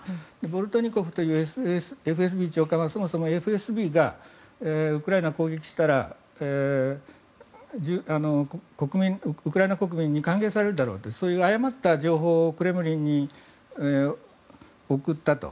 ボルトニコフというＦＳＢ長官はそもそもＦＳＢがウクライナを攻撃したらウクライナ国民に歓迎されるだろうとそういった誤った情報をクレムリンに送ったと。